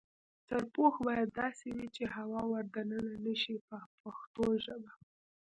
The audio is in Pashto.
سرپوښ باید داسې وي چې هوا ور دننه نشي په پښتو ژبه.